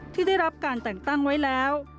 ที่ได้รับการแต่งตั้งไว้แล้ว